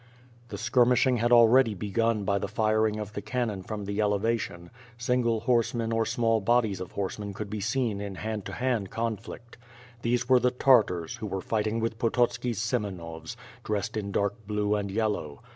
The skirmishing had already begun by the firinor of the cannon from the elevation, single horsemen or small bodies of horsemen could be seen in hand to hand conflict. These were the Tartars, who were fightins: with Pototski's Semenovs, dressed in dark blue and yellow.